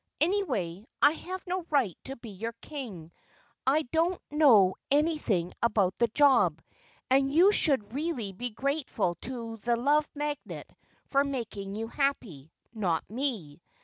Anyway, I have no right to be your King I don't know anything about the job, and you should really be grateful to the Love Magnet for making you happy not me.